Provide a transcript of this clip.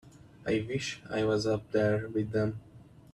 I wish I was up there with them.